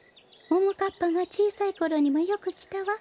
ももかっぱがちいさいころにもよくきたわ。